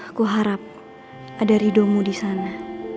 aku harap ada ridomu disana